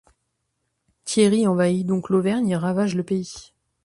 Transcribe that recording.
Thierry envahit donc l'Auvergne et ravage le pays.